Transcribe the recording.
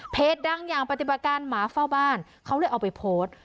ดังอย่างปฏิบัติการหมาเฝ้าบ้านเขาเลยเอาไปโพสต์